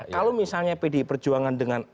kalau misalnya pdi perjuangan dengan